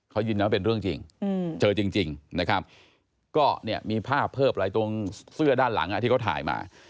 เขายืนยันว่าเป็นเรื่องจริงเจอจริงนะครับก็เนี่ยมีภาพเพิ่มอะไรตรงเสื้อด้านหลังที่เขาถ่ายมา